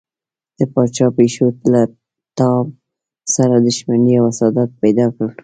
د پاچا پیشو له ټام سره دښمني او حسادت پیدا کړ.